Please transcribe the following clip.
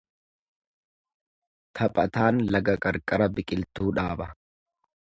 Taphataan laga qarqara biqiltuu dhaaba.